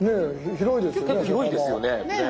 広いですよね歩幅。